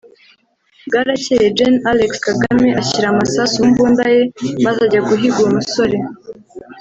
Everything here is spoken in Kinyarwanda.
Bwarakeye Gen Alex Kagame ashyira amasasu mu mbunda ye maze ajya guhiga uwo musore